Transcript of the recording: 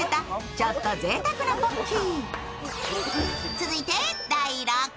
ちょっとぜいたくなポッキー。